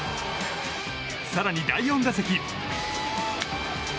更に第４打席。